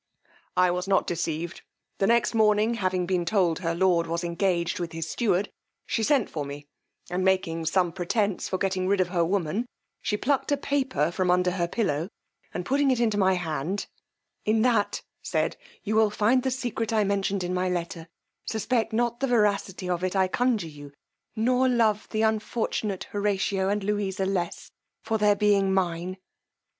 I was not deceived; the next morning having been told her lord was engaged with his steward, she sent for me, and making some pretence for getting rid of her woman, she plucked a paper from under her pillow, and putting it into my hand, in that, said, you will find the secret I mentioned in my letter; suspect not the veracity of it, I conjure you, nor love the unfortunate Horatio and Louisa less for their being mine.